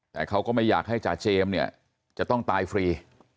แต่เขาก็ไม่อยากให้จ่าเจมส์เนี่ยจะต้องตายฟรี